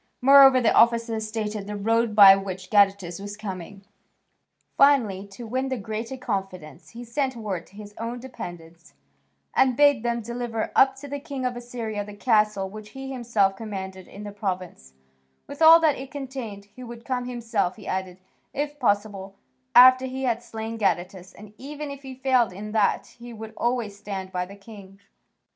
Moreover, the officer stated the road by which Gadatas was coming. Finally, to win the greater confidence, he sent word to his own dependents and bade them deliver up to the king of Assyria the castle which he himself commanded in the province, with all that it contained: he would come himself, he added, if possible, after he had slain Gadatas, and, even if he failed in that, he would always stand by the king.